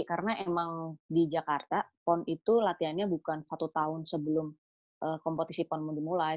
karena emang di jakarta pon itu latihannya bukan satu tahun sebelum kompetisi pon mulai mulai